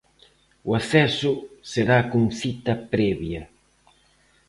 O acceso será con cita previa.